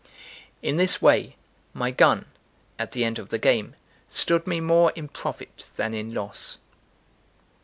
In this way my gun, at the end of the game, stood me more in profit than in loss.